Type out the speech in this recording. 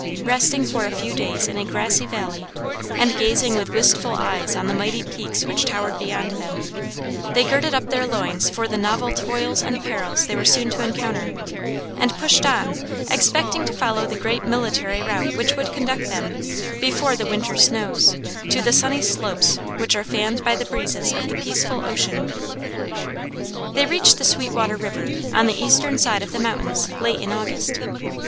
Resting for a few days in a grassy valley, and, gazing with wistful eyes on the mighty peaks which towered beyond them, they girded up their loins for the novel toils and perils they were soon to encounter, and pushed on, expecting to follow the great military route which would conduct them, before the winter snows, to the sunny slopes which are fanned by the breezes of the peaceful ocean. They reached the Sweet Water River, on the eastern side of the mountains, late in August.